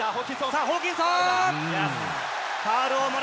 ホーキンソン。